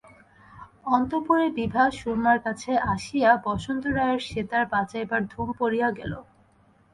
অন্তঃপুরে বিভা সুরমার কাছে আসিয়া বসন্ত রায়ের সেতার বাজাইবার ধুম পড়িয়া গেল।